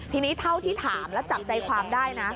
ทีนี้เท่าที่ถามแล้วจับใจความได้นะ